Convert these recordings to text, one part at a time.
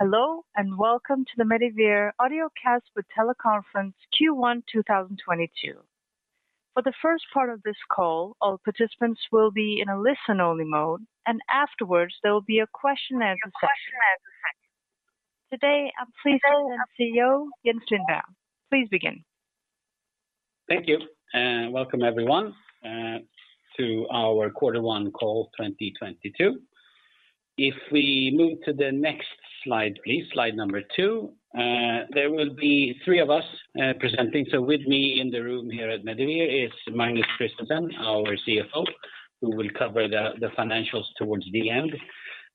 Hello, and welcome to the Medivir Audiocast with Teleconference Q1 2022. For the first part of this call, all participants will be in a listen-only mode, and afterwards, there will be a question-and-answer section. Today, I'm pleased to announce CEO Jens Lindberg. Please begin. Thank you, welcome everyone, to our quarter 1 call 2022. If we move to the next slide, please, slide number 2. There will be three of us presenting. With me in the room here at Medivir is Magnus Christensen, our CFO, who will cover the financials towards the end.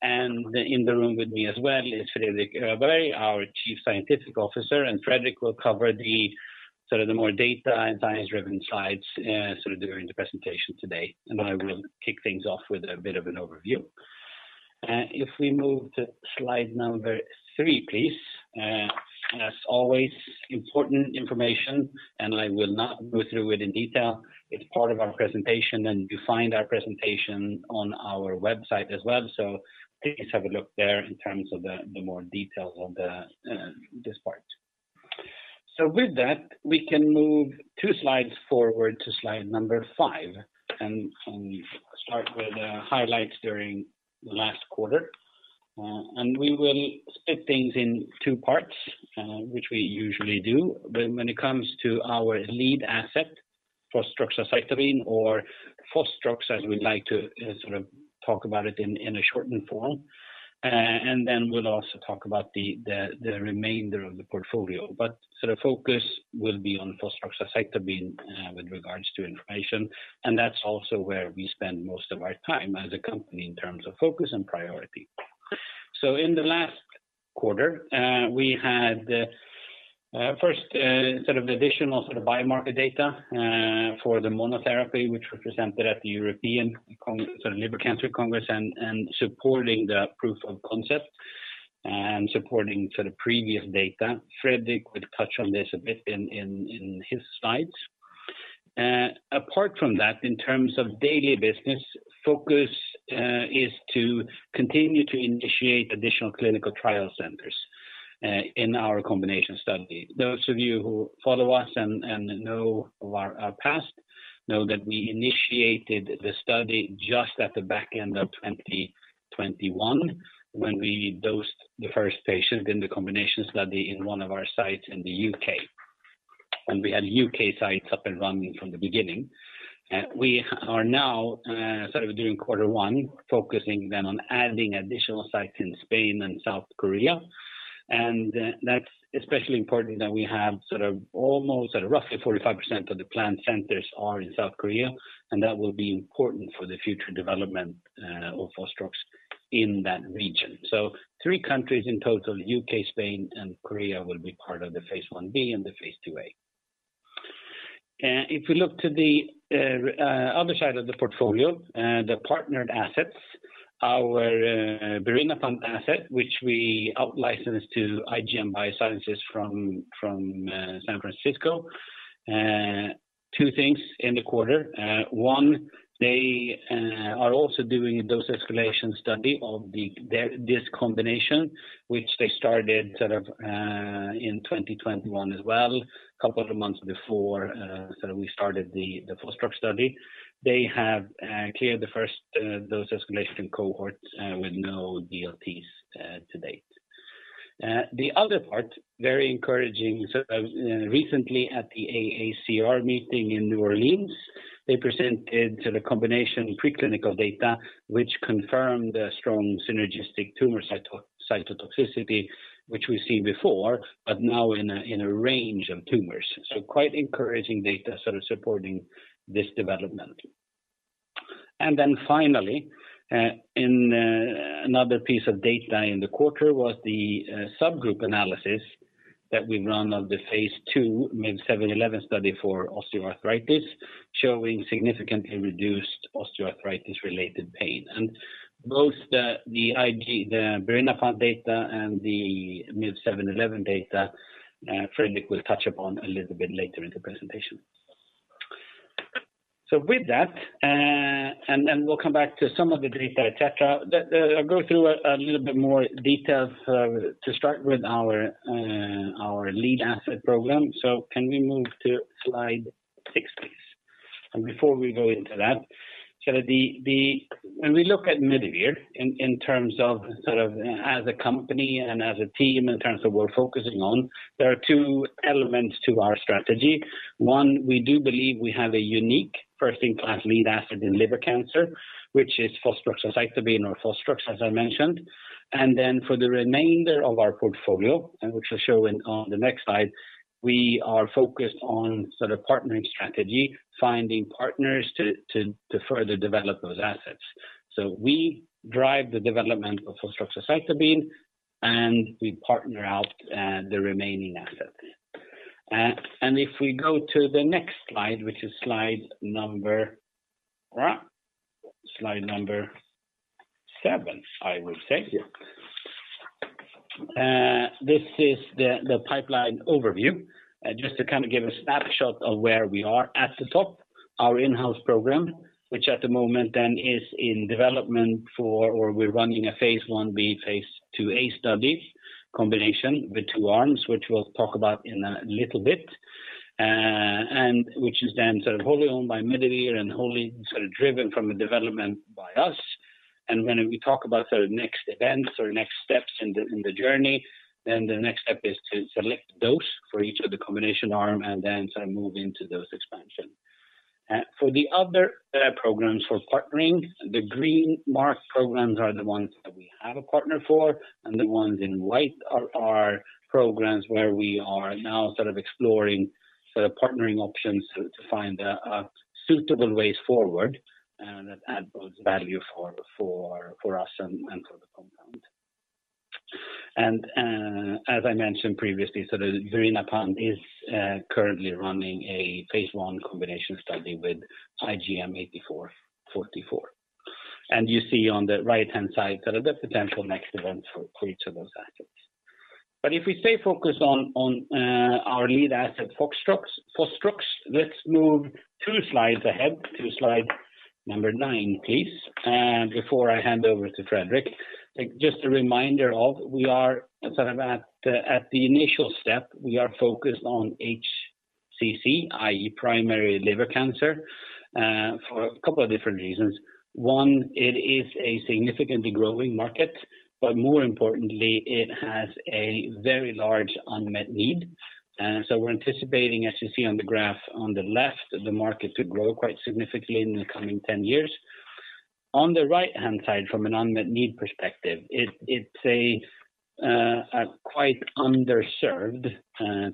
In the room with me as well is Fredrik Öberg, our Chief Scientific Officer, and Fredrik will cover the sort of the more data and science-driven slides, sort of during the presentation today. I will kick things off with a bit of an overview. If we move to slide number 3, please. As always, important information, and I will not go through it in detail. It's part of our presentation, and you find our presentation on our website as well. Please have a look there in terms of the more details of this part. With that, we can move two slides forward to slide number 5 and start with the highlights during last quarter. We will split things in two parts, which we usually do when it comes to our lead asset fostroxacitabine or fostrox, as we like to sort of talk about it in a shortened form. We'll also talk about the remainder of the portfolio. The focus will be on fostroxacitabine with regards to information. That's also where we spend most of our time as a company in terms of focus and priority. In the last quarter, we had first additional biomarker data for the monotherapy, which were presented at the European Liver Cancer Congress and supporting the proof of concept and supporting previous data. Fredrik will touch on this a bit in his slides. Apart from that, in terms of daily business focus, is to continue to initiate additional clinical trial centers in our combination study. Those of you who follow us and know our past know that we initiated the study just at the back end of 2021 when we dosed the first patient in the combination study in one of our sites in the U.K. We had U.K sites up and running from the beginning. We are now sort of doing quarter one, focusing then on adding additional sites in Spain and South Korea. That's especially important that we have sort of almost at roughly 45% of the planned centers are in South Korea, and that will be important for the future development of Fostrox in that region. Three countries in total, U.K., Spain, and Korea will be part of the phase I-B and the phase II-A. If we look to the other side of the portfolio, the partnered assets, our Birinapant asset, which we out-licensed to IGM Biosciences from San Francisco. Two things in the quarter. They are also doing a dose escalation study of this combination, which they started sort of in 2021 as well, couple of months before sort of we started the fostrox study. They have cleared the first dose escalation cohort with no DLTs to date. The other part, very encouraging. Recently at the AACR meeting in New Orleans, they presented sort of combination preclinical data which confirmed a strong synergistic tumor cytotoxicity, which we've seen before, but now in a range of tumors. Quite encouraging data sort of supporting this development. Then finally, in another piece of data in the quarter was the subgroup analysis that we've run of the phase II MIV-711 study for osteoarthritis, showing significantly reduced osteoarthritis related pain. Both the birinapant data and the MIV-711 data, Fredrik Öberg will touch upon a little bit later in the presentation. With that, and then we'll come back to some of the data, et cetera. I'll go through a little bit more details to start with our lead asset program. Can we move to slide six, please? Before we go into that, when we look at Medivir in terms of, sort of as a company and as a team in terms of we're focusing on, there are two elements to our strategy. One, we do believe we have a unique first-in-class lead asset in liver cancer, which is fostroxacitabine or fostrox, as I mentioned. For the remainder of our portfolio, which I'll show in, on the next slide, we are focused on sort of partnering strategy, finding partners to further develop those assets. We drive the development of fostroxacitabine, and we partner out the remaining assets. If we go to the next slide, which is slide number 7, I will say. This is the pipeline overview. Just to kind of give a snapshot of where we are at the top, our in-house program, which at the moment then is in development or we're running a phase I-B, phase II-A study combination with two arms, which we'll talk about in a little bit, and which is then sort of wholly owned by Medivir and wholly sort of driven from a development by us. When we talk about sort of next events or next steps in the journey, then the next step is to select dose for each of the combination arm and then sort of move into those expansion. For the other programs for partnering, the green marked programs are the ones that we have a partner for, and the ones in white are programs where we are now sort of exploring sort of partnering options to find a suitable ways forward, that add both value for us and for the compound. As I mentioned previously, the birinapant is currently running a phase I combination study with IGM-8444. You see on the right-hand side sort of the potential next events for each of those assets. If we stay focused on our lead asset fostrox, let's move 2 slides ahead to slide number 9, please. Before I hand over to Fredrik, like just a reminder that we are sort of at the initial step, we are focused on HCC, i.e. primary liver cancer, for a couple of different reasons. One, it is a significantly growing market, but more importantly, it has a very large unmet need. We're anticipating, as you see on the graph on the left, the market to grow quite significantly in the coming 10 years. On the right-hand side, from an unmet need perspective, it's a quite underserved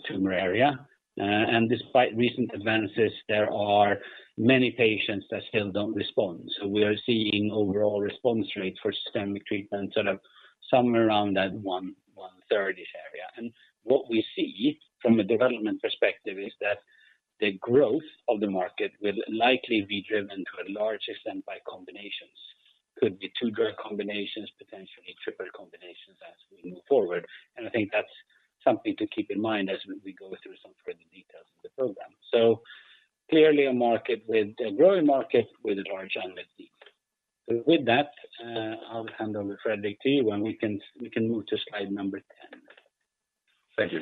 tumor area. Despite recent advances, there are many patients that still don't respond. We are seeing overall response rates for systemic treatment sort of somewhere around that 1/3-ish area. What we see from a development perspective is that the growth of the market will likely be driven to a large extent by combinations. Could be two-drug combinations, potentially triple combinations as we move forward. I think that's something to keep in mind as we go through some further details of the program. Clearly a market with a growing market with a large unmet need. With that, I'll hand over to Fredrik Öberg, and we can move to slide number 10. Thank you.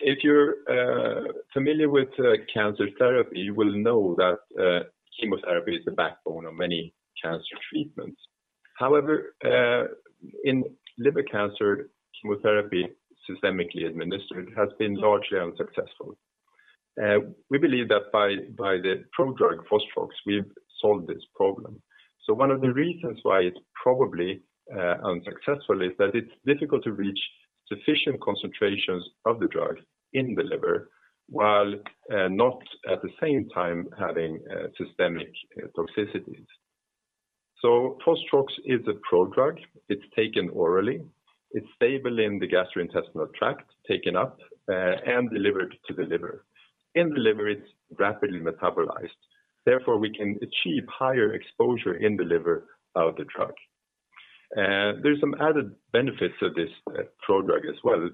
If you're familiar with cancer therapy, you will know that chemotherapy is the backbone of many cancer treatments. However, in liver cancer, chemotherapy systemically administered has been largely unsuccessful. We believe that by the prodrug fostrox, we've solved this problem. One of the reasons why it's probably unsuccessful is that it's difficult to reach sufficient concentrations of the drug in the liver while not at the same time having systemic toxicities. Fostrox is a prodrug. It's taken orally. It's stable in the gastrointestinal tract, taken up and delivered to the liver. In the liver, it's rapidly metabolized. Therefore, we can achieve higher exposure in the liver of the drug. There's some added benefits of this prodrug as well.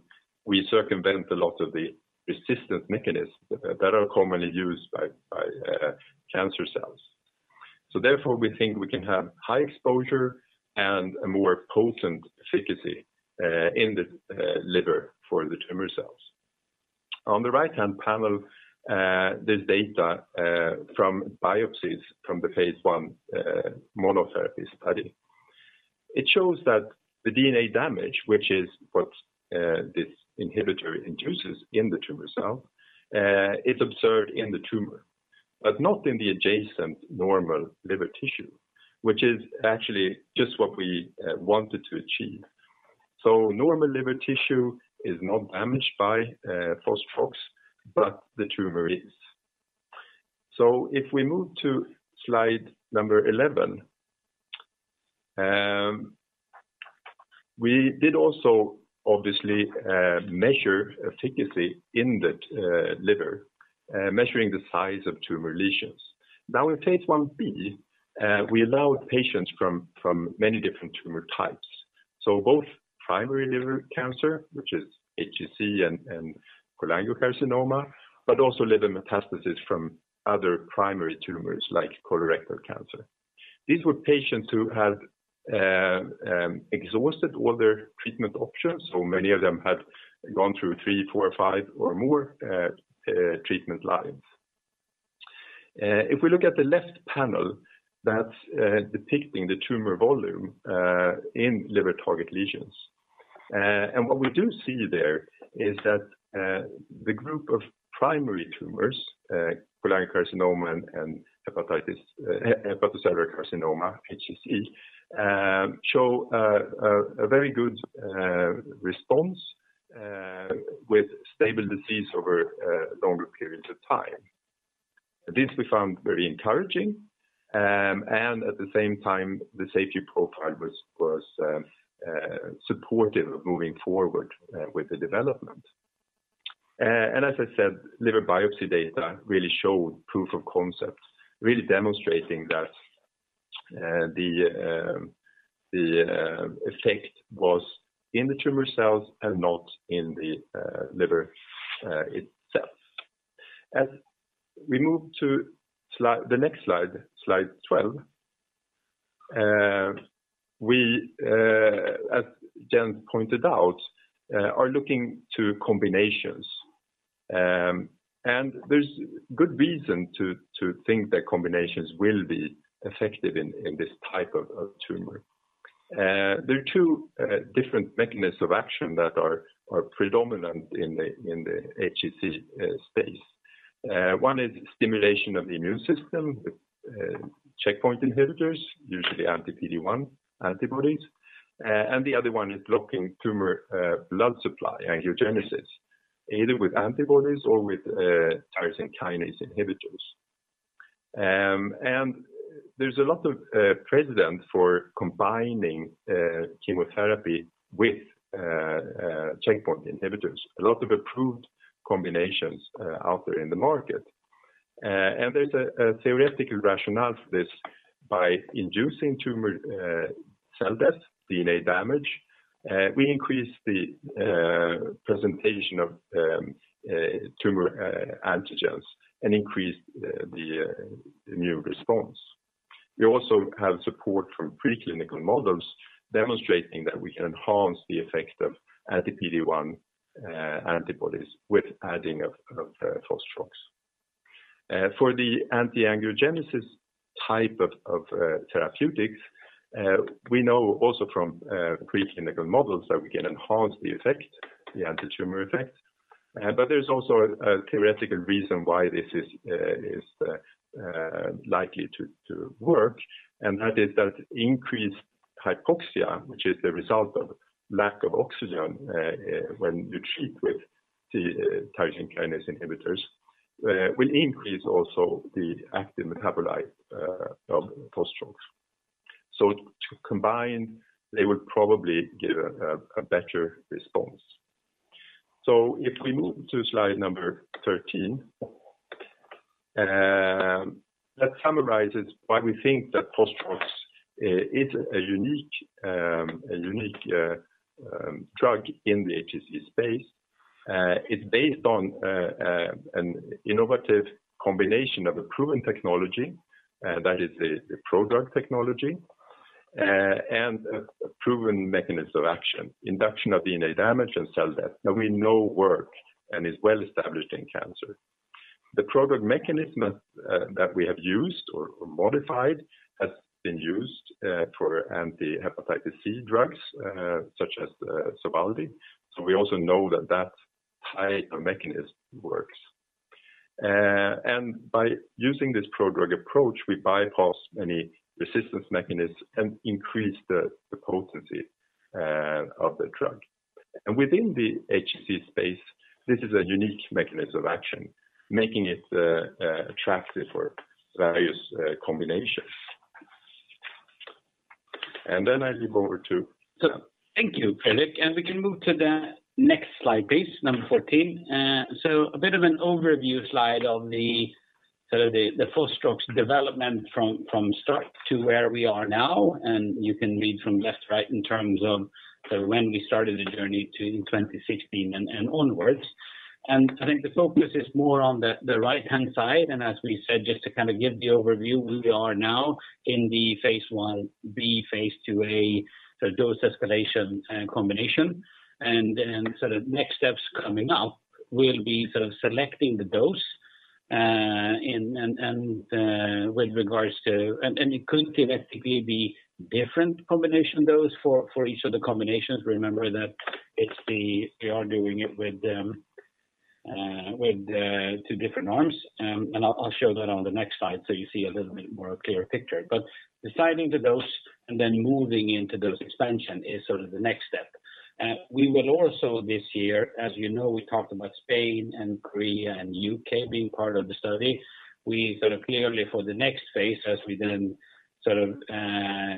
We circumvent a lot of the resistance mechanisms that are commonly used by cancer cells. Therefore, we think we can have high exposure and a more potent efficacy in the liver for the tumor cells. On the right-hand panel, this data from biopsies from the phase I monotherapy study. It shows that the DNA damage, which is what this inhibitor induces in the tumor cell, is observed in the tumor, but not in the adjacent normal liver tissue, which is actually just what we wanted to achieve. Normal liver tissue is not damaged by fostrox, but the tumor is. If we move to slide number 11. We did also obviously measure efficacy in the liver measuring the size of tumor lesions. Now in phase I-B, we allowed patients from many different tumor types. Both primary liver cancer, which is HCC and cholangiocarcinoma, but also liver metastasis from other primary tumors like colorectal cancer. These were patients who had exhausted all their treatment options, so many of them had gone through three, four, five or more treatment lines. If we look at the left panel that's depicting the tumor volume in liver target lesions. What we do see there is that the group of primary tumors, cholangiocarcinoma and hepatocellular carcinoma, HCC, show a very good response with stable disease over longer periods of time. This we found very encouraging, and at the same time, the safety profile was supportive of moving forward with the development. As I said, liver biopsy data really showed proof of concept, really demonstrating that the effect was in the tumor cells and not in the liver itself. As we move to the next slide 12, as Jens pointed out, we are looking to combinations. There's good reason to think that combinations will be effective in this type of tumor. There are two different mechanisms of action that are predominant in the HCC space. One is stimulation of the immune system with checkpoint inhibitors, usually anti-PD-1 antibodies. The other one is blocking tumor blood supply, angiogenesis, either with antibodies or with tyrosine kinase inhibitors. There's a lot of precedent for combining chemotherapy with checkpoint inhibitors, a lot of approved combinations out there in the market. There's a theoretical rationale for this. By inducing tumor cell death, DNA damage, we increase the presentation of tumor antigens and increase the immune response. We also have support from preclinical models demonstrating that we can enhance the effects of anti-PD-1 antibodies with adding of fostrox. For the anti-angiogenesis type of therapeutics, we know also from preclinical models that we can enhance the effect, the antitumor effect. There's also a theoretical reason why this is likely to work, and that is that increased hypoxia, which is the result of lack of oxygen, when you treat with the tyrosine kinase inhibitors, will increase also the active metabolite of fostrox. To combine, they would probably give a better response. If we move to slide number 13, that summarizes why we think that fostrox is a unique drug in the HCC space. It's based on an innovative combination of a proven technology that is the prodrug technology and a proven mechanism of action, induction of DNA damage and cell death that we know works and is well established in cancer. The prodrug mechanism that we have used or modified has been used for anti-hepatitis C drugs such as Sovaldi. We also know that that type of mechanism works. By using this prodrug approach, we bypass any resistance mechanisms and increase the potency of the drug. Within the HCC space, this is a unique mechanism of action, making it attractive for various combinations. Then I give over to Jens. Thank you, Fredrik. We can move to the next slide, please, number 14. So a bit of an overview slide of the sort of the fostrox development from start to where we are now, and you can read from left to right in terms of when we started the journey to 2016 and onwards. I think the focus is more on the right-hand side. As we said, just to kind of give the overview, we are now in the phase I-B, phase II-A, so dose escalation, combination. Then sort of next steps coming up will be sort of selecting the dose, and with regards to. It could theoretically be different combination dose for each of the combinations. Remember that we are doing it with two different arms. I'll show that on the next slide so you see a little bit more clear picture. Deciding the dose and then moving into dose expansion is sort of the next step. We will also this year, as you know, we talked about Spain and Korea and U.K. being part of the study. We sort of clearly for the next phase, as we then sort of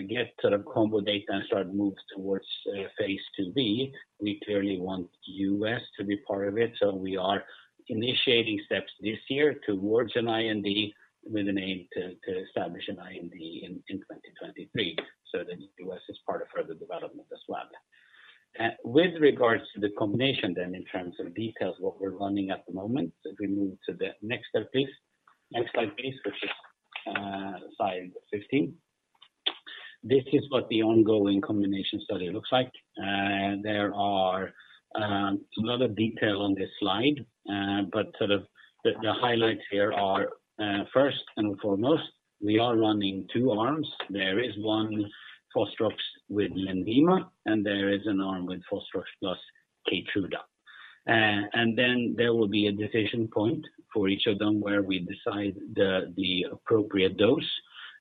get sort of combo data and start move towards phase II-B, we clearly want U.S. to be part of it. We are initiating steps this year towards an IND with an aim to establish an IND in 2023 so that U.S. is part of further development as well. With regards to the combination then in terms of details, what we're running at the moment, if we move to the next slide please. Next slide please, which is slide 15. This is what the ongoing combination study looks like. There are a lot of detail on this slide, but sort of the highlights here are first and foremost, we are running two arms. There is one fostrox with LENVIMA, and there is an arm with fostrox plus KEYTRUDA. Then there will be a decision point for each of them where we decide the appropriate dose.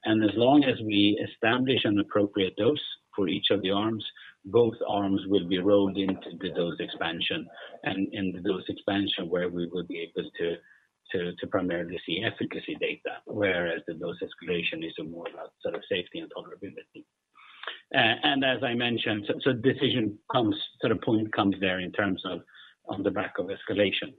As long as we establish an appropriate dose for each of the arms, both arms will be rolled into the dose expansion. In the dose expansion where we will be able to primarily see efficacy data, whereas the dose escalation is more about sort of safety and tolerability. As I mentioned, the decision comes to the point in terms of on the back of escalation.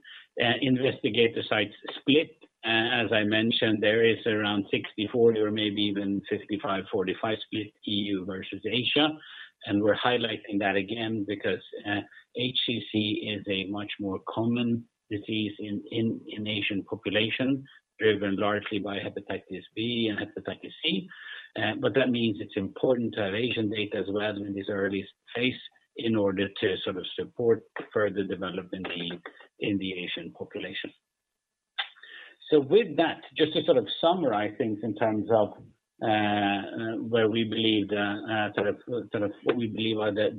Investigator sites split. As I mentioned, there is around 64 or maybe even 55, 45 split EU versus Asia. We're highlighting that again because HCC is a much more common disease in Asian population, driven largely by hepatitis B and hepatitis C. That means it's important to have Asian data as well in this early phase in order to sort of support further development need in the Asian population. With that, just to sort of summarize things in terms of where we believe the sort of what we believe are the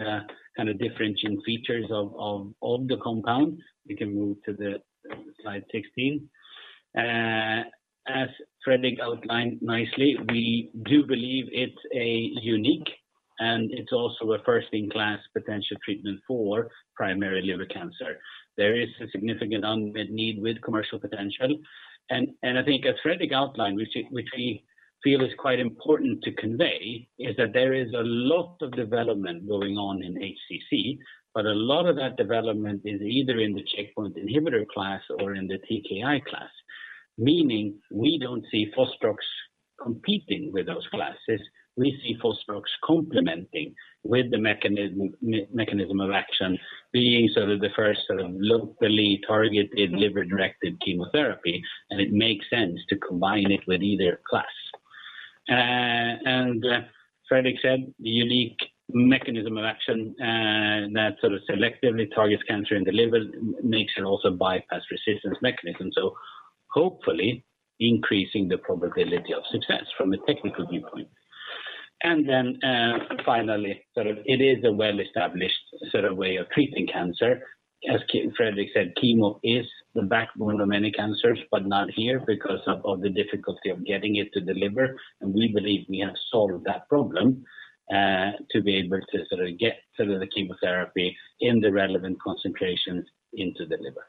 kind of differentiating features of the compound. We can move to the slide 16. As Fredrik outlined nicely, we do believe it's a unique, and it's also a first in class potential treatment for primary liver cancer. There is a significant unmet need with commercial potential. I think as Fredrik outlined, which we feel is quite important to convey is that there is a lot of development going on in HCC, but a lot of that development is either in the checkpoint inhibitor class or in the TKI class. Meaning we don't see fostrox competing with those classes. We see fostrox complementing with the mechanism of action being sort of the first sort of locally targeted liver-directed chemotherapy, and it makes sense to combine it with either class. Fredrik said the unique mechanism of action that sort of selectively targets cancer in the liver makes it also bypass resistance mechanism. Hopefully increasing the probability of success from a technical viewpoint. Finally, sort of it is a well-established sort of way of treating cancer. As Fredrik said, chemo is the backbone of many cancers, but not here because of the difficulty of getting it to the liver. We believe we have solved that problem to be able to sort of get sort of the chemotherapy in the relevant concentrations into the liver.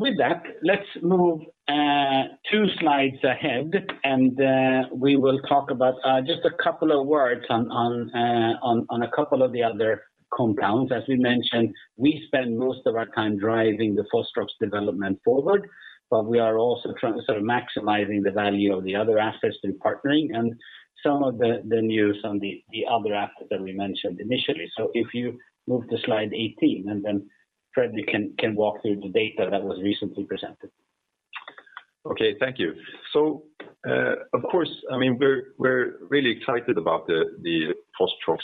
With that, let's move 2 slides ahead, and we will talk about just a couple of words on a couple of the other compounds. As we mentioned, we spend most of our time driving the fostrox development forward, but we are also trying to sort of maximizing the value of the other assets through partnering and some of the news on the other assets that we mentioned initially. If you move to slide 18, and then Fredrik can walk through the data that was recently presented. Okay. Thank you. Of course, I mean, we're really excited about the fostrox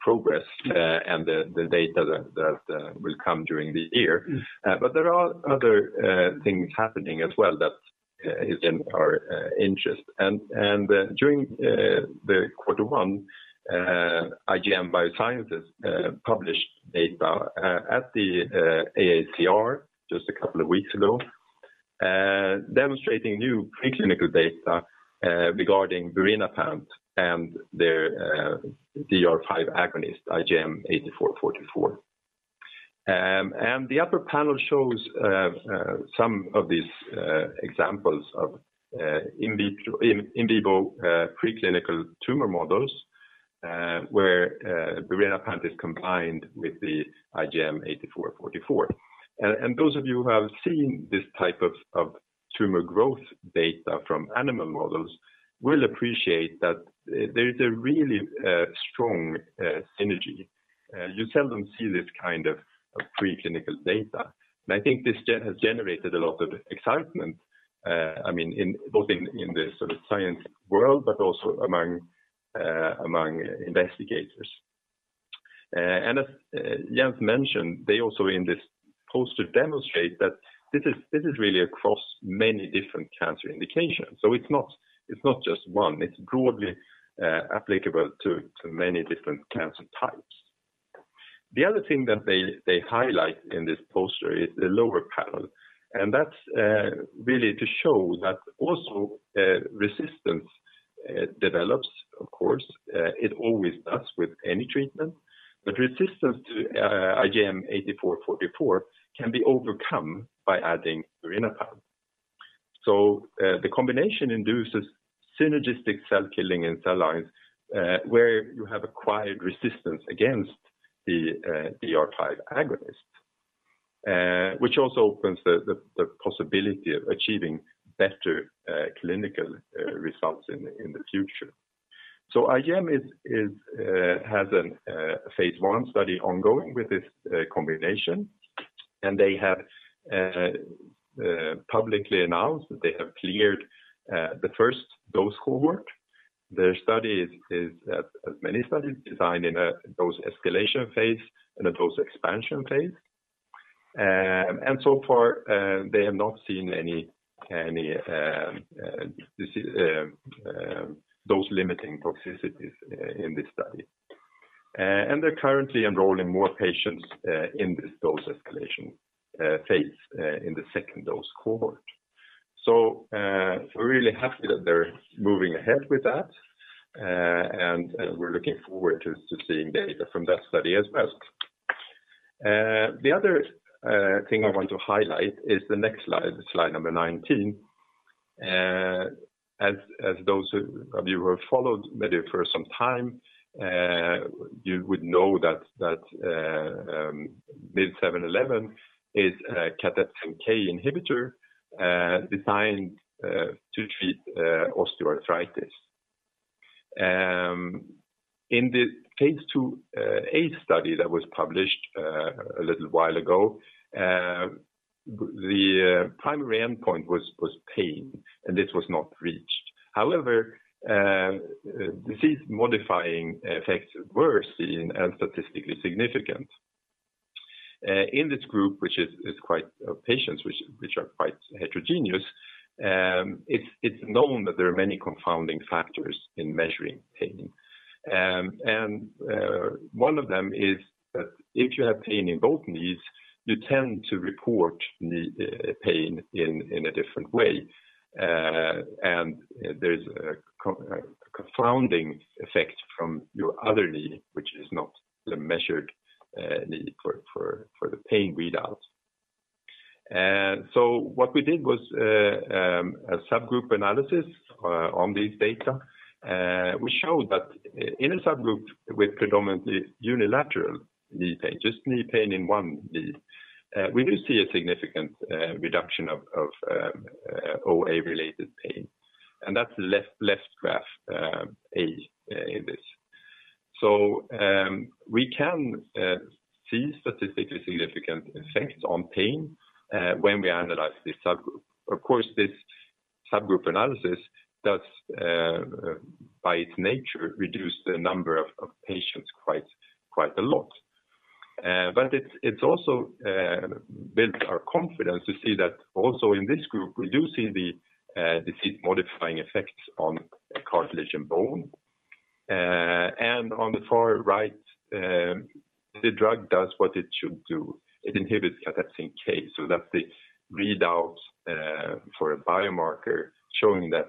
progress, and the data that will come during the year. There are other things happening as well that is in our interest. During the quarter one, IGM Biosciences published data at the AACR just a couple of weeks ago, demonstrating new preclinical data regarding birinapant and their DR5 agonist, IGM-8444. The upper panel shows some of these examples of in vivo preclinical tumor models, where birinapant is combined with the IGM-8444. Those of you who have seen this type of tumor growth data from animal models will appreciate that there's a really strong synergy. You seldom see this kind of preclinical data. I think this has generated a lot of excitement, I mean, in both the sort of science world, but also among investigators. As Jens mentioned, they also in this poster demonstrate that this is really across many different cancer indications. It's not just one. It's broadly applicable to many different cancer types. The other thing that they highlight in this poster is the lower panel, and that's really to show that also resistance develops, of course. It always does with any treatment. Resistance to IGM-8444 can be overcome by adding birinapant. The combination induces synergistic cell killing in cell lines where you have acquired resistance against the DR5 agonist, which also opens the possibility of achieving better clinical results in the future. IGM has a phase I study ongoing with this combination, and they have publicly announced that they have cleared the first dose cohort. Their study is, as many studies, designed in a dose escalation phase and a dose expansion phase. So far, they have not seen any dose-limiting toxicities in this study. They're currently enrolling more patients in this dose escalation phase in the second dose cohort. We're really happy that they're moving ahead with that, and we're looking forward to seeing data from that study as well. The other thing I want to highlight is the next slide number 19. As those of you who have followed Medivir for some time, you would know that MIV-711 is a cathepsin K inhibitor designed to treat osteoarthritis. In the phase II-A study that was published a little while ago, the primary endpoint was pain, and this was not reached. However, disease modifying effects were seen and statistically significant. In this group, which is quite patients which are quite heterogeneous, it's known that there are many confounding factors in measuring pain. One of them is that if you have pain in both knees, you tend to report knee pain in a different way. There's a confounding effect from your other knee, which is not the measured knee for the pain readouts. What we did was a subgroup analysis on these data. We showed that in a subgroup with predominantly unilateral knee pain, just knee pain in one knee, we do see a significant reduction of OA related pain. That's the left graph A in this. We can see statistically significant effects on pain when we analyze this subgroup. Of course, this subgroup analysis does, by its nature, reduce the number of patients quite a lot. It's also built our confidence to see that also in this group, we do see the disease modifying effects on cartilage and bone. On the far right, the drug does what it should do. It inhibits cathepsin K. That's the readout for a biomarker showing that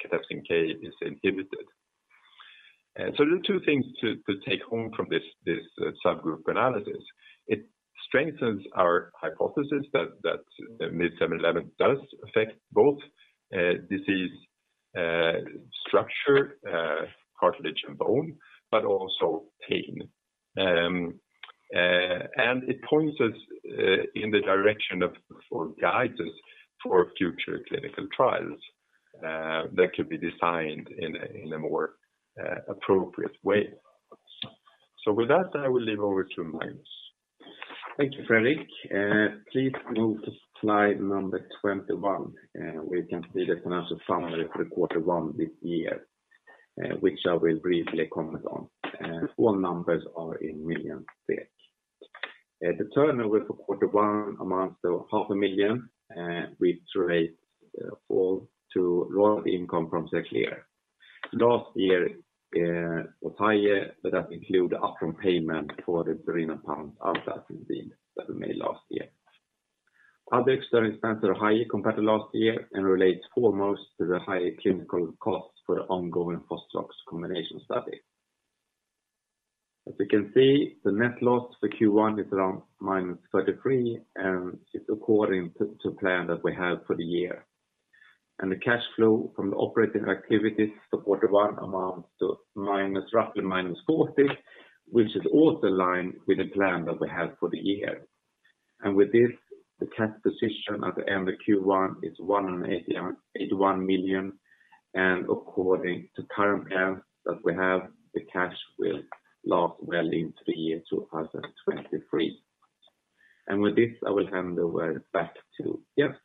cathepsin K is inhibited. The two things to take home from this subgroup analysis, it strengthens our hypothesis that the MIV-711 does affect both disease structure, cartilage and bone, but also pain. It points us in the direction of guidance for future clinical trials that could be designed in a more appropriate way. With that, I will hand over to Magnus. Thank you, Fredrik. Please move to slide number 21. We can see the financial summary for quarter one this year, which I will briefly comment on. All numbers are in millions SEK. The turnover for quarter one amounts to half a million, which relates all to royalty income from Xerclear. Last year was higher, but that include upfront payment for the birinapant outlicense deal that we made last year. Other external expenses are higher compared to last year and relates foremost to the higher clinical costs for the ongoing fostrox combination study. As you can see, the net loss for Q1 is around -33 million, and it's according to plan that we have for the year. The cash flow from the operating activities for quarter one amounts to minus, roughly -40 million, which is also in line with the plan that we have for the year. With this, the cash position at the end of Q1 is 181 million. According to current plan that we have, the cash will last well into the year 2023. With this, I will hand over back to Jens.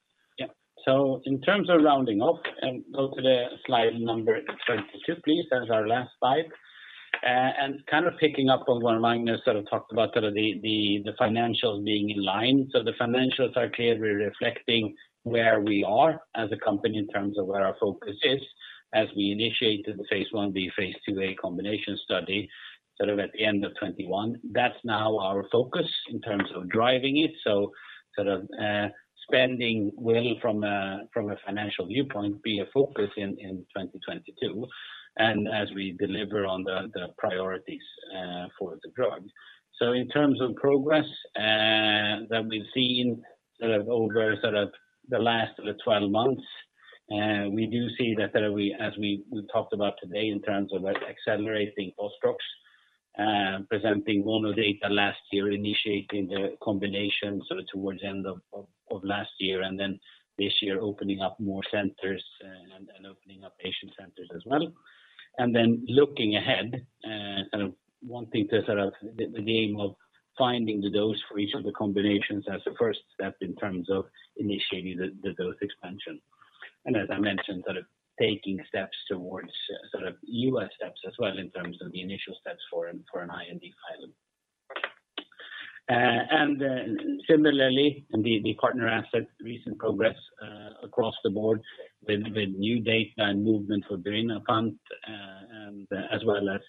Yeah. In terms of rounding off and go to the slide number 22, please. That's our last slide. Kind of picking up on what Magnus sort of talked about, sort of the financials being in line. The financials are clearly reflecting where we are as a company in terms of where our focus is. As we initiated the phase I-B, phase II-A combination study, sort of at the end of 2021, that's now our focus in terms of driving it. Sort of, spending will from a financial viewpoint, be a focus in 2022, and as we deliver on the priorities for the drug. In terms of progress that we've seen sort of over the last 12 months, we do see that as we talked about today in terms of accelerating fostrox, presenting mono data last year, initiating the combination sort of towards end of last year, and then this year opening up more centers and opening up patient centers as well. Looking ahead, wanting to the aim of finding the dose for each of the combinations as a first step in terms of initiating the dose expansion. As I mentioned, taking steps towards U.S. steps as well in terms of the initial steps for an IND filing. Similarly, the partner assets, recent progress across the board with new data and movement for birinapant, and as well as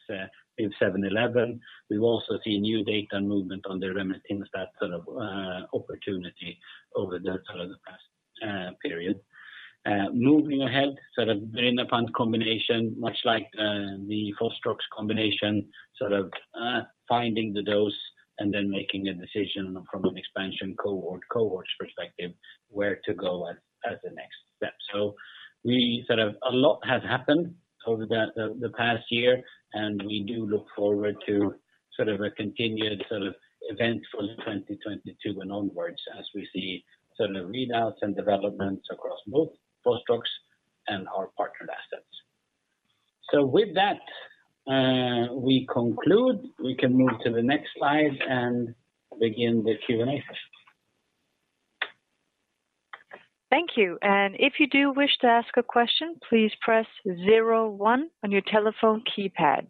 MIV-711. We've also seen new data and movement on the remetinostat that sort of opportunity over the sort of the past period. Moving ahead sort of in the current combination much like the fostrox combination, sort of finding the dose and then making a decision from an expansion cohort's perspective where to go as the next step. A lot has happened over the past year, and we do look forward to sort of a continued sort of event for 2022 and onwards as we see sort of readouts and developments across both fostrox and our partnered assets. With that, we conclude. We can move to the next slide and begin the Q&A session. Thank you. If you do wish to ask a question, please press zero one on your telephone keypad.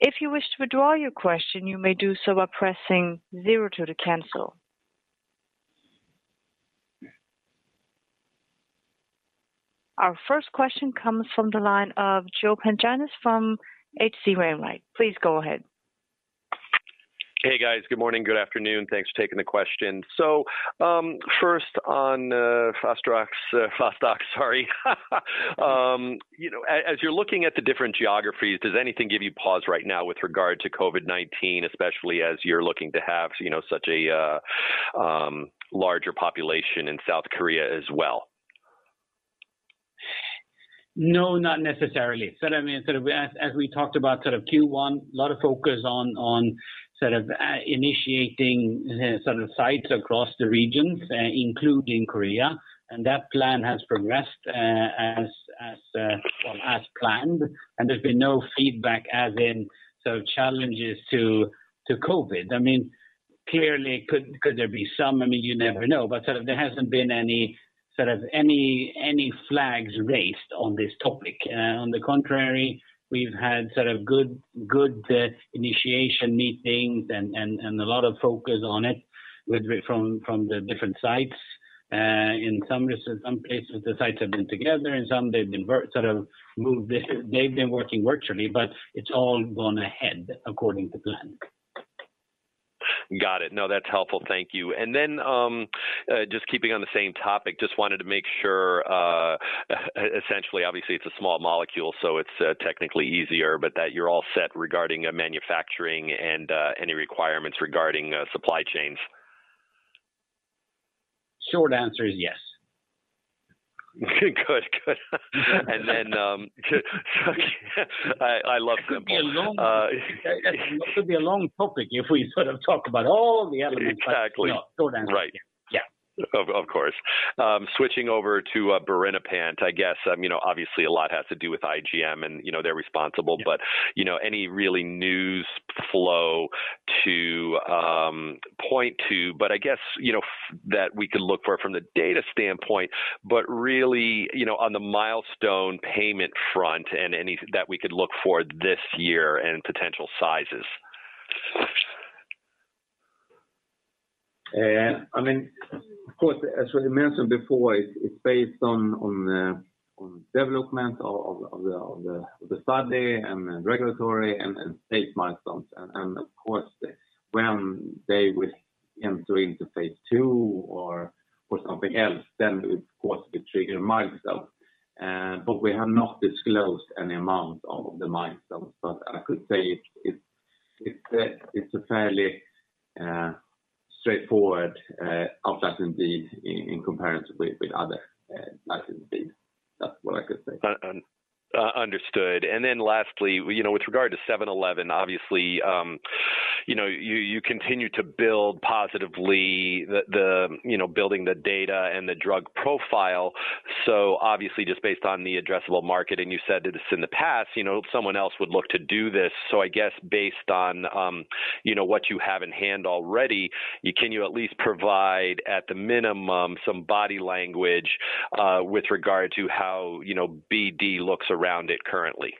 If you wish to withdraw your question, you may do so by pressing zero two to cancel. Our first question comes from the line of Joe Pantginis from H.C. Wainwright. Please go ahead. Hey, guys. Good morning. Good afternoon. Thanks for taking the question. First on fostrox, sorry. You know, as you're looking at the different geographies, does anything give you pause right now with regard to COVID-19, especially as you're looking to have, you know, such a larger population in South Korea as well? No, not necessarily. I mean, sort of as we talked about sort of Q1, a lot of focus on sort of initiating sort of sites across the regions, including Korea. That plan has progressed as well as planned. There's been no feedback as in sort of challenges to COVID. I mean, clearly could there be some? I mean, you never know. There hasn't been any sort of flags raised on this topic. On the contrary, we've had sort of good initiation meetings and a lot of focus on it with, from the different sites. In some places the sites have been together, in some they've been sort of remote. They've been working virtually, but it's all gone ahead according to plan. Got it. No, that's helpful. Thank you. Just keeping on the same topic, just wanted to make sure, essentially, obviously it's a small molecule, so it's technically easier but that you're all set regarding manufacturing and any requirements regarding supply chains. Short answer is yes. Good. I love simple. It could be a long topic if we sort of talk about all the other things. Exactly. Short answer. Right. Yeah. Of course. Switching over to birinapant, I guess, you know, obviously a lot has to do with IGM and, you know, they're responsible. Yeah. You know, any real news flow to point to, but I guess, you know, that we could look for from the data standpoint, but really, you know, on the milestone payment front and anything that we could look for this year and potential sizes. I mean, of course, as we mentioned before, it's based on development of the study and regulatory and stage milestones. Of course when they will enter into phase II or something else, then it would of course trigger a milestone. We have not disclosed any amount of the milestones. I could say it's a fairly straightforward payout indeed in comparison with other licensed deals. That's what I could say. Understood. Then lastly, you know, with regard to MIV-711, obviously, you know, you continue to build positively the you know building the data and the drug profile. Obviously just based on the addressable market, and you said this in the past, you know, someone else would look to do this. I guess based on you know what you have in hand already, can you at least provide at the minimum some body language with regard to how you know BD looks around it currently?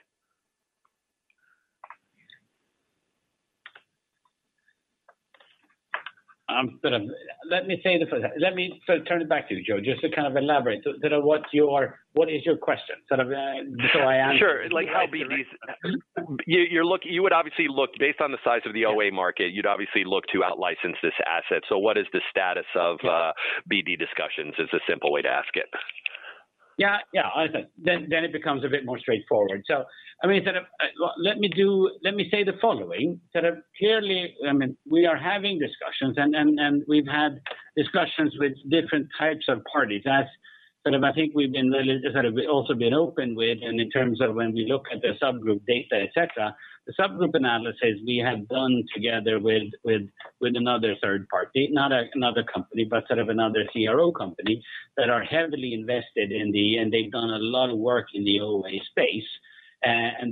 Sort of. Let me say this. Let me sort of turn it back to you, Joe, just to kind of elaborate. Sort of, what is your question? Sure. You would obviously look based on the size of the OA market, you'd obviously look to out-license this asset. What is the status of BD discussions is the simple way to ask it. Yeah. I see. It becomes a bit more straightforward. I mean, sort of, let me say the following. Clearly, I mean, we are having discussions and we've had discussions with different types of parties. That's sort of. I think we've been really sort of also been open with in terms of when we look at the subgroup data, et cetera. The subgroup analysis we have done together with another third party, not another company, but sort of another CRO company that are heavily invested in the. They've done a lot of work in the OA space.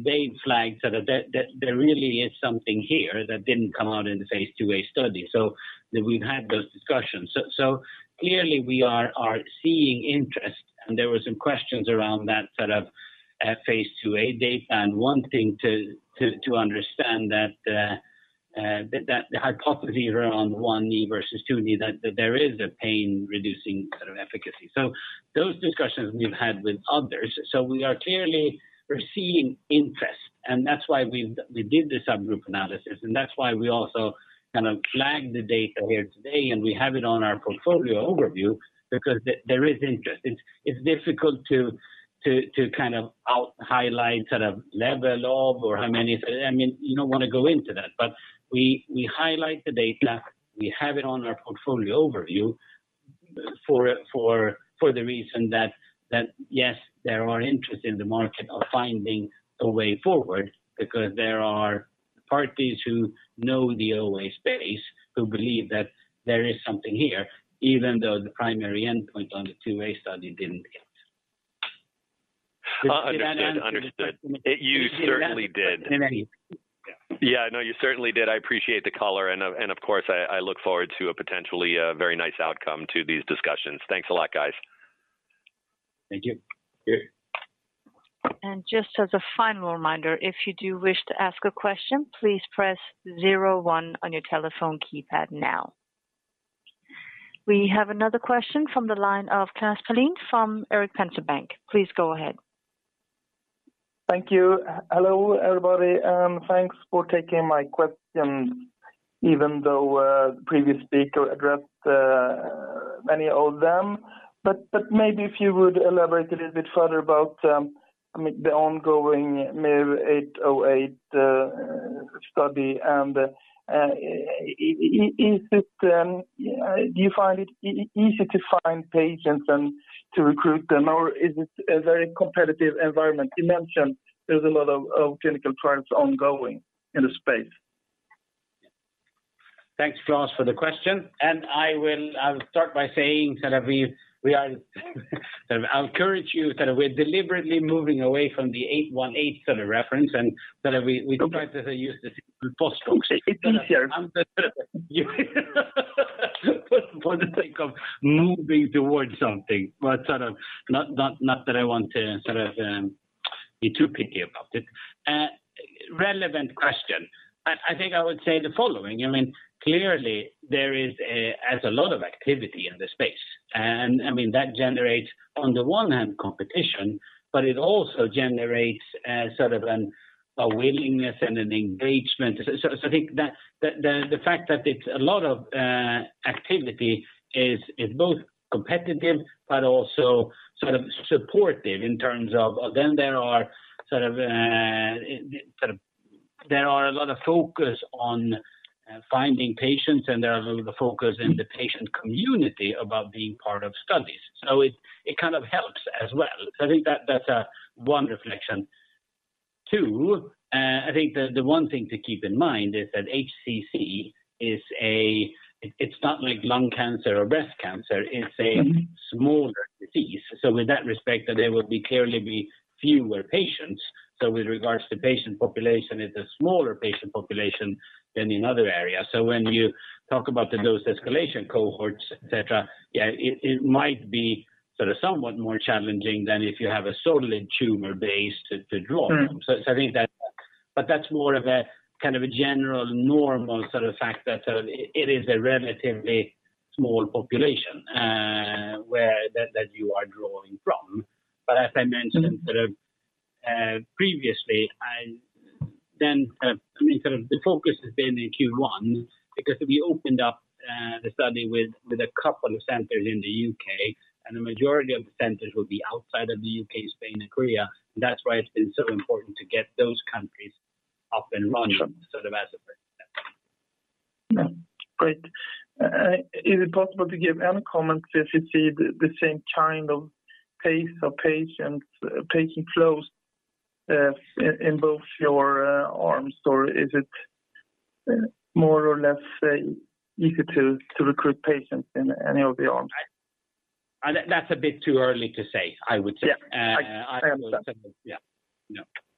They've flagged sort of that there really is something here that didn't come out in the phase II study. We've had those discussions. Clearly we are seeing interest and there were some questions around that sort of phase II-A data and wanting to understand that the hypothesis around one knee versus two knee that there is a pain reducing sort of efficacy. Those discussions we've had with others. We are clearly seeing interest, and that's why we did the subgroup analysis, and that's why we also kind of flagged the data here today and we have it on our portfolio overview because there is interest. It's difficult to kind of outline sort of level of or how many. I mean, you don't want to go into that. We highlight the data. We have it on our portfolio overview for the reason that yes, there are interest in the market of finding a way forward because there are parties who know the OA space who believe that there is something here, even though the primary endpoint on the two-way study didn't get. Understood. Did that answer the question? You certainly did. Okay. Thank you. Yeah. No, you certainly did. I appreciate the color and, of course, I look forward to a potentially very nice outcome to these discussions. Thanks a lot, guys. Thank you. Just as a final reminder, if you do wish to ask a question, please press zero one on your telephone keypad now. We have another question from the line of Klas Palin from Erik Penser Bank. Please go ahead. Thank you. Hello, everybody, thanks for taking my questions even though the previous speaker addressed many of them. Maybe if you would elaborate a little bit further about, I mean, the ongoing MIV-818 study and, is it do you find it easy to find patients and to recruit them or is it a very competitive environment? You mentioned there's a lot of clinical trials ongoing in the space. Thanks, Klas, for the question. I'll start by saying that we are. I'll encourage you that we're deliberately moving away from the MIV-818 sort of reference, and that we try to use it as possible. It's easier. For the sake of moving towards something, but sort of not that I want to sort of be too picky about it. Relevant question. I think I would say the following. I mean, clearly, there is a lot of activity in this space. I mean, that generates, on the one hand, competition, but it also generates sort of a willingness and an engagement. I think that the fact that it's a lot of activity is both competitive but also sort of supportive in terms of then there are sort of there are a lot of focus on finding patients and there are a lot of focus in the patient community about being part of studies. It kind of helps as well. I think that that's one reflection. Too, I think the one thing to keep in mind is that HCC is. It's not like lung cancer or breast cancer. It's a smaller disease. With that respect, there will clearly be fewer patients. With regards to patient population, it's a smaller patient population than in other areas. When you talk about the dose escalation cohorts, et cetera, yeah, it might be sort of somewhat more challenging than if you have a solid tumor base to draw from. That's more of a kind of a general normal sort of fact that it is a relatively small population where that you are drawing from. As I mentioned. Sort of, previously, I mean, sort of the focus has been in Q1 because we opened up the study with a couple of centers in the U.K., and the majority of the centers will be outside of the U.K., Spain and Korea. That's why it's been so important to get those countries up and running sort of as a first step. Yeah. Great. Is it possible to give any comments if you see the same kind of pace of patients, patient flows in both your arms, or is it more or less easy to recruit patients in any of the arms? That's a bit too early to say, I would say. Yeah. I understand. Yeah.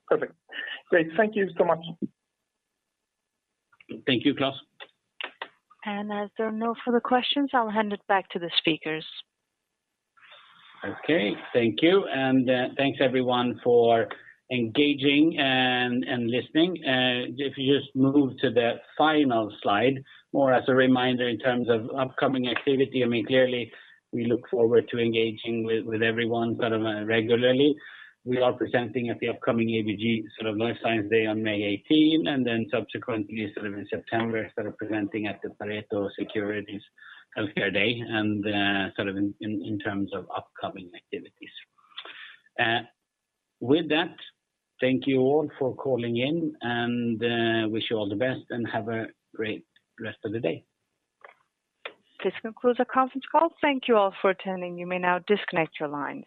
Perfect. Great. Thank you so much. Thank you, Klas. As there are no further questions, I'll hand it back to the speakers. Okay. Thank you. Thanks everyone for engaging and listening. If you just move to the final slide, more as a reminder in terms of upcoming activity. I mean, clearly, we look forward to engaging with everyone sort of regularly. We are presenting at the upcoming ABG Sundal Collier Life Science Summit on May 18, and then subsequently in September, presenting at the Pareto Securities' Healthcare Conference and in terms of upcoming activities. With that, thank you all for calling in, wish you all the best and have a great rest of the day. This concludes our conference call. Thank you all for attending. You may now disconnect your lines.